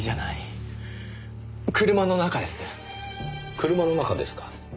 車の中ですか？